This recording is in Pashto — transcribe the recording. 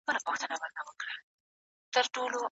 تیارو د بیلتانه ته به مي بېرته رڼا راسي